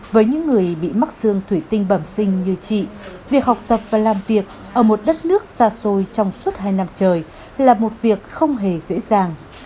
với những người bị mắc xương thủy tinh bẩm sinh như chị việc học tập và làm việc ở một đất nước xa xôi trong suốt hai năm trời là một việc không hề dễ dàng